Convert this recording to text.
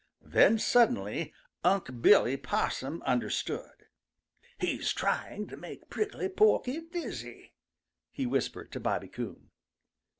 Then suddenly Unc' Billy Possum understood. "He's trying to make Prickly Porky dizzy," he whispered to Bobby Coon.